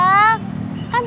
udah bang ocak